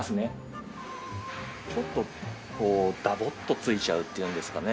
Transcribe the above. ちょっとこうダボッとついちゃうっていうんですかね。